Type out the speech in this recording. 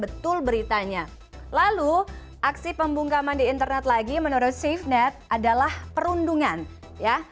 betul beritanya lalu aksi pembungkaman di internet lagi menurut safenet adalah perundungan ya